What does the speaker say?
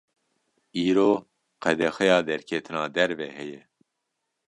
îro qedexeya derketina derve heye